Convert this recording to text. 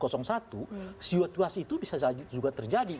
situasi itu bisa juga terjadi